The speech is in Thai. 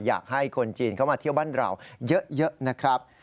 อยากให้คนจีนเข้ามาเที่ยวบ้านเราเยอะนะครับ